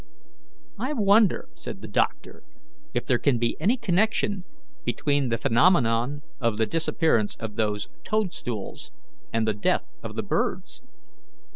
"I wonder," said the doctor, "if there can be any connection between the phenomenon of the disappearance of those toadstools and the death of the birds?